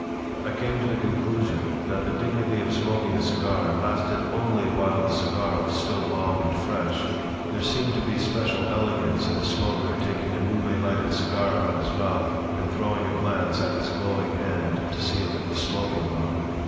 I came to the conclusion that the dignity of smoking a cigar lasted only while the cigar was still long and fresh. There seemed to be special elegance in a smoker taking a newly lighted cigar out of his mouth and throwing a glance at its glowing end to see if it was smoking well.